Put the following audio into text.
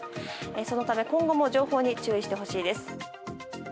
そのため、今後も情報に注意してほしいです。